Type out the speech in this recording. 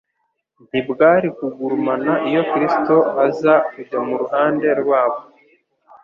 ntibwari kugurumana iyo Kristo aza kujya mu ruhande rwabo